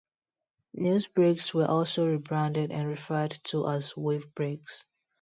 News breaks were also re-branded and referred to as "wave breaks".